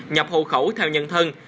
nhập hộ khẩu theo nhân thân